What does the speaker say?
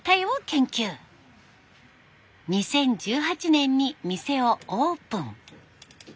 ２０１８年に店をオープン。